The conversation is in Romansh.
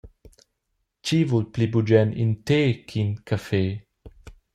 Tgi vul pli bugen in té ch’in caffé?